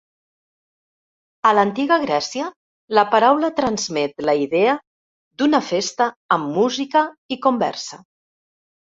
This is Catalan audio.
A l'antiga Grècia la paraula transmet la idea d'una festa amb música i conversa.